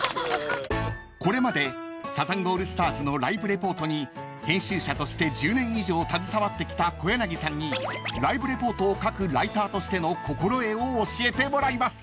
［これまでサザンオールスターズのライブレポートに編集者として１０年以上携わってきた小柳さんにライブレポートを書くライターとしての心得を教えてもらいます］